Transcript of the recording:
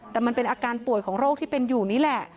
แต่มันเป็นอาการป่วยของโรคที่เป็นอยู่นี่แหละ